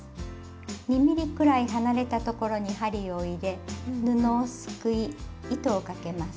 ２ｍｍくらい離れた所に針を入れ布をすくい糸をかけます。